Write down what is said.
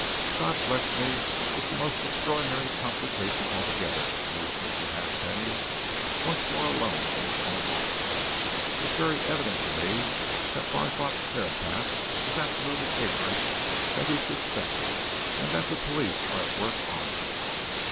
"God bless me! it's a most extraordinary complication altogether!" mused Mr. Halfpenny, once more alone in his own office. "It's very evident to me that Barthorpe Herapath is absolutely ignorant that he's suspected, and that the police are at work on him!